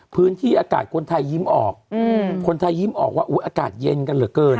พื้นที่อากาศคนไทยยิ้มออกคนไทยยิ้มออกว่าอากาศเย็นกันเหลือเกิน